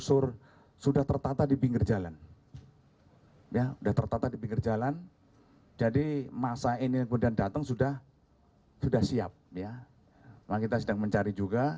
oh gitu ya